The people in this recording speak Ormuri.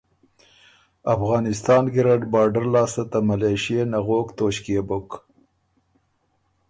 افغانستان ګیرډ بارډر لاسته ته ملېشئے نغوک توݭکيې بُک۔